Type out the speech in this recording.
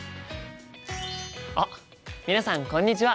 あっ皆さんこんにちは！